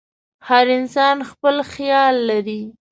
هر انسان خپل خیال لري.